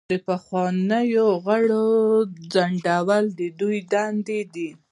د پخوانیو غړو ځنډول د دوی دندې دي.